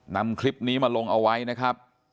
นำคลิปนี้มาลงเอาไว้นะครับ